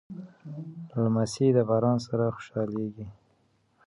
لمسی د باران سره خوشحالېږي.